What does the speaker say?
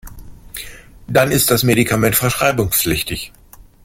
Dann ist das Medikament verschreibungspflichtig.